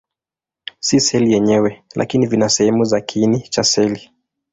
Si seli yenyewe, lakini vina sehemu za kiini cha seli.